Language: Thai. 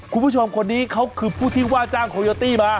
คุณผู้ชมคนนี้เขาคือผู้ที่ว่าจ้างโคโยตี้มา